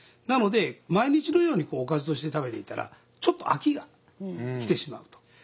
なので毎日のようにおかずとして食べていたらちょっと飽きがきてしまうと。